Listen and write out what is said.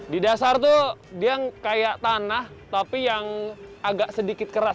di dasar tuh dia kayak tanah tapi yang agak sedikit keras